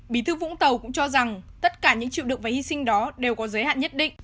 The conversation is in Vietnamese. bí thư vũng tàu cũng cho rằng tất cả những chịu đựng và hy sinh đó đều có giới hạn nhất định